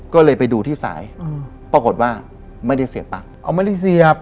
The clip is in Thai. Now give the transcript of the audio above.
ก็เลยไปดูที่สายอืมปรากฏว่าไม่ได้เสียบตังค์อ๋อไม่ได้เสียบ